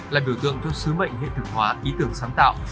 là biểu tượng cho sứ mệnh hiện thực hóa ý tưởng sáng tạo